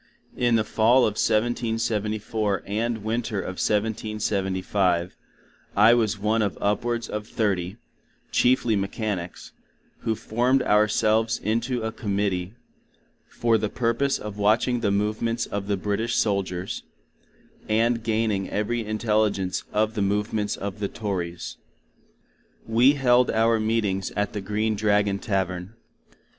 In the Fall of 1774 and Winter of 1775 I was one of upwards of thirty, cheifly mechanics, who formed our selves in to a Committee for the purpose of watching the Movements of the British Soldiers, and gaining every intelegence of the movements of the Tories. We held our meetings at the Green Dragon Tavern.